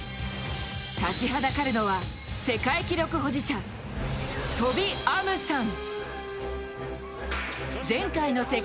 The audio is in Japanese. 立ちはだかるのは世界記録保持者、トビ・アムサン。